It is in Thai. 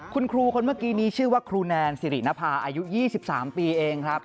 คุณครูคนเมื่อกี้นี้ชื่อว่าครูแนนสิรินภาอายุ๒๓ปีเองครับ